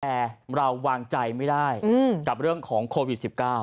แต่เราวางใจไม่ได้กับเรื่องของโควิด๑๙